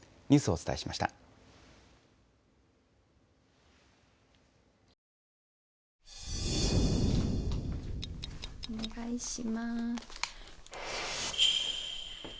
お願いします。